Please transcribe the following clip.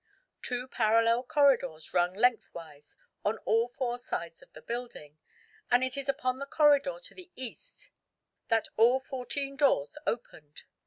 Two parallel corridors run lengthwise on all four sides of the building, and it is upon the corridor to the east that all fourteen doors opened.